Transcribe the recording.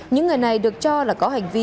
những người này được cho là có hành vi